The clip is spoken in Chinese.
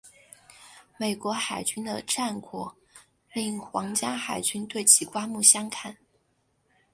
美国海军的战果令皇家海军对其刮目相看。